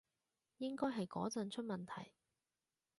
應該係嗰陣出問題